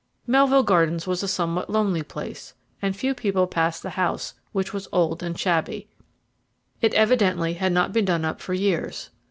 Melville Gardens was a somewhat lonely place, and few people passed the house, which was old and shabby; it had evidently not been done up for years.